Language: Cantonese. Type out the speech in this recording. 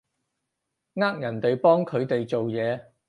呃人哋幫佢哋做嘢